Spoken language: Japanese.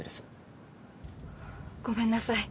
ごめんなさい。